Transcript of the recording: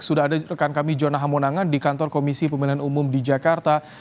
sudah ada rekan kami jona hamonangan di kantor komisi pemilihan umum di jakarta